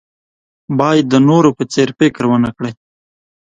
باید د نورو په څېر فکر ونه کړئ.